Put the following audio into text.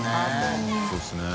そうですね。